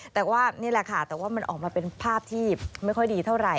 แต่ว่านี่แหละค่ะแต่ว่ามันออกมาเป็นภาพที่ไม่ค่อยดีเท่าไหร่